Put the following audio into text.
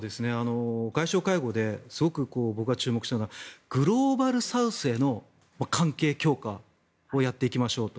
外相会合ですごく僕が注目したのはグローバルサウスへの関係強化をやっていきましょうと。